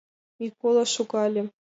Микола шогале.